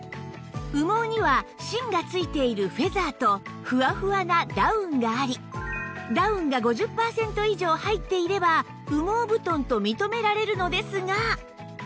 羽毛には芯がついているフェザーとフワフワなダウンがありダウンが５０パーセント以上入っていれば羽毛布団と認められるのですが